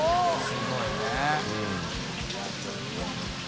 すごいね。